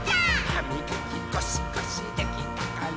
「はみがきゴシゴシできたかな？」